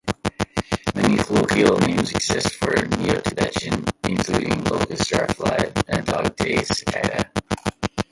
Many colloquial names exist for "Neotibicen", including locust, jar fly, and dog-day cicada.